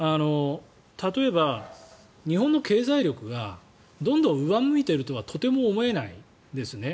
例えば、日本の経済力がどんどん上向いているとはとても思えないですね。